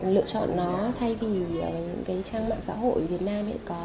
lựa chọn nó thay vì cái trang mạng xã hội việt nam